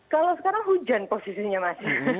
kalau sekarang hujan posisinya mas